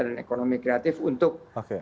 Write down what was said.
dan ekonomi kreatif untuk